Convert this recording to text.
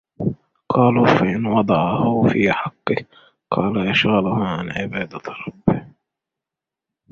قَالُوا فَإِنْ وَضَعَهُ فِي حَقِّهِ ؟ قَالَ يَشْغَلُهُ عَنْ عِبَادَةِ رَبِّهِ